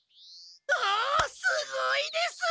おおすごいです！